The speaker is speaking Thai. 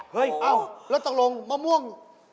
เฮ่ยเอาแล้วตรงมะม่วง